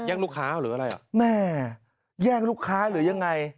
ลูกค้าหรืออะไรอ่ะแม่แย่งลูกค้าหรือยังไง